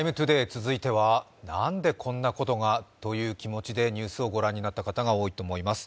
「ＴＩＭＥ，ＴＯＤＡＹ」続いては、なんでこんなことが？という気持ちでニュースを御覧になった方が多いと思います。